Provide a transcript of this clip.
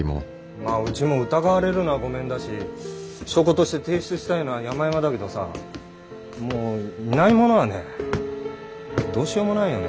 まあうちも疑われるのはごめんだし証拠として提出したいのはやまやまだけどさもういないものはねどうしようもないよね。